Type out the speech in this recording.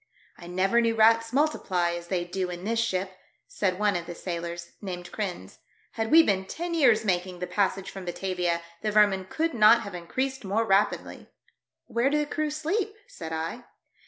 " I never knew rats multiply as they do in this ship," said one of the sailors, named Kryns ;" had we been ten years making the passage from Batavia, the vermin could not have increased more rapidly." " Where do the crew sleep ?" said I.